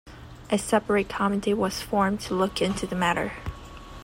A separate committee was formed to look into the matter.